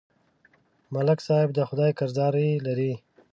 ملک صاحب د خدای قرضداري لري